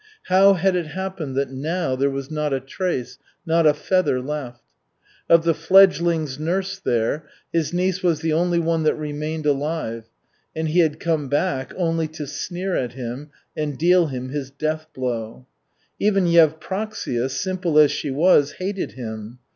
How had it happened that now there was not a trace, not a feather left? Of the fledgelings nursed there his niece was the only one that remained alive, and she had come back only to sneer at him and deal him his deathblow. Even Yevpraksia, simple as she was, hated him.